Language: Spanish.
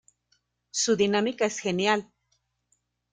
Su dinámica es genial.